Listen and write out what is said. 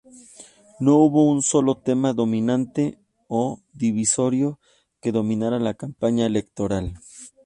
No hubo un solo tema dominante o divisorio que dominara la campaña electoral.